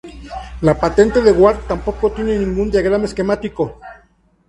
La patente de Ward tampoco tiene ningún diagrama esquemático.